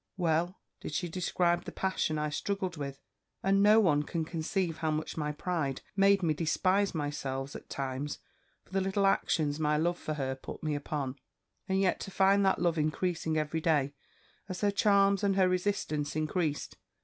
Well did she describe the passion I struggled with; and no one can conceive how much my pride made me despise myself at times for the little actions my love for her put me upon, and yet to find that love increasing every day, as her charms and her resistance increased.